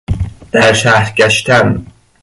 در شهر گشتن